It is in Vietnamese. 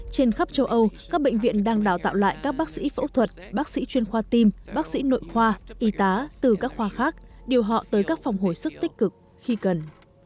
trên khắp châu âu các bệnh viện đang đào tạo lại các bác sĩ phẫu thuật bác sĩ chuyên khoa tim bác sĩ nội khoa y tá từ các khoa khác điều họ tới các phòng hồi sức tích cực khi cần